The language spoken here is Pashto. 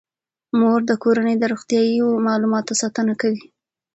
مور د کورنۍ د روغتیايي معلوماتو ساتنه کوي.